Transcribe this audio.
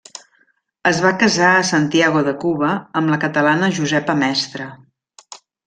Es va casar a Santiago de Cuba amb la catalana Josepa Mestre.